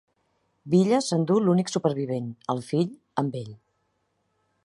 Villa s'endú l'únic supervivent, el fill, amb ell.